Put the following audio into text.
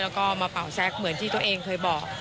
แล้วก็มาเป่าแซ็กเหมือนที่ตัวเองเคยบอก